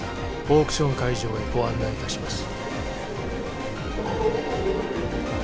オークション会場へご案内いたします